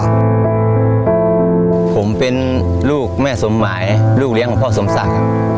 ผมเป็นลูกแม่สมหมายลูกเลี้ยงของพ่อสมศักดิ์ครับ